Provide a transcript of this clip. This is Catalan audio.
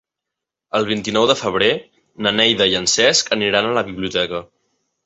El vint-i-nou de febrer na Neida i en Cesc aniran a la biblioteca.